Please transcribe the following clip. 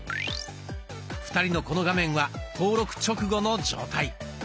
２人のこの画面は登録直後の状態。